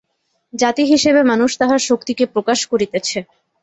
জাতি-হিসাবে মানুষ তাহার শক্তিকে প্রকাশ করিতেছে।